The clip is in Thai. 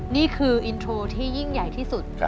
นี่คืออินโทรที่ยิ่งใหญ่ที่สุด